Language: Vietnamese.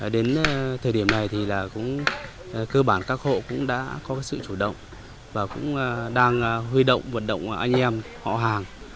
đến thời điểm này thì cũng cơ bản các hộ cũng đã có sự chủ động và cũng đang huy động vận động anh em họ hàng